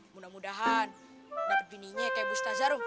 mudah mudahan dapet bininya kayak bu stazaro